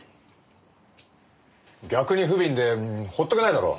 逆に不憫で放っとけないだろ。